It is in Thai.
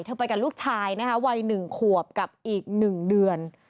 เธอไปกับลูกชายนะครับวัยหนึ่งขวบกับอีกหนึ่งเดือน